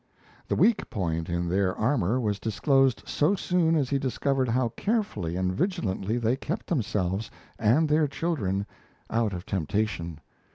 The weak point in their armour was disclosed so soon as he discovered how carefully and vigilantly they kept themselves and their children out of temptation.